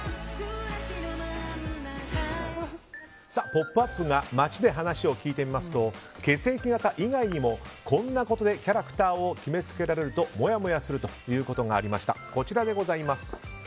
「ポップＵＰ！」が街で話を聞いてみますと血液型以外にもこんなことでキャラクターを決めつけられるともやもやするということがありました。